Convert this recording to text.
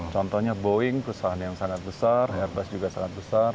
contohnya boeing perusahaan yang sangat besar airbus juga sangat besar